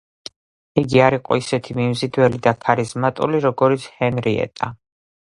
იგი არ იყო ისეთი მიმზიდველი და ქარიზმატული, როგორიც ჰენრიეტა.